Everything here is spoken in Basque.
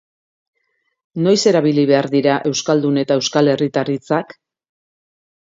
Noiz erabili behar dira euskaldun eta euskal herritar hitzak?